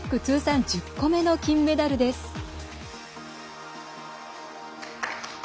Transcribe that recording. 通算１０個目の金メダルです。